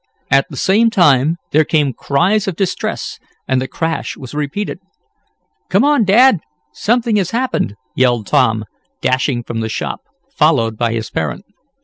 At the same time there came cries of distress, and the crash was repeated. "Come on, Dad! Something has happened!" yelled Tom, dashing from the shop, followed by his parent.